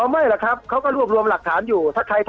อ้อไม่แหละครับเขาก็รวมหลักฐานอยู่